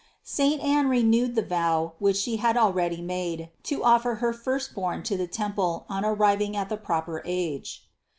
348. Saint Anne renewed the vow, which she had al ready made, to offer her Firstborn to the temple on arriving at the proper age.